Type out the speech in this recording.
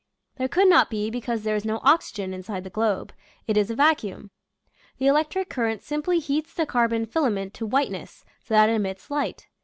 There could not be because there is no oxygen inside the globe; it is a vacuum. The electric current simply heats the carbon filament to whiteness so that it emits light.